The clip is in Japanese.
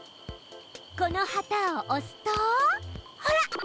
この旗を押すとほら！